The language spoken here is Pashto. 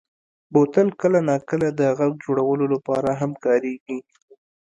بوتل کله ناکله د غږ جوړولو لپاره هم کارېږي.